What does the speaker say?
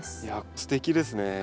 いやすてきですね。